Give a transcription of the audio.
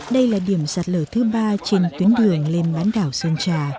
đây là điểm sạt lở thứ ba trên tuyến đường lên bán đảo sơn trà